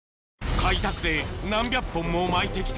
開拓で何百本も巻いて来た